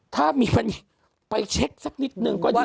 ถ้ามีวันนี้ไปเช็คสักนิดนึงก็ดี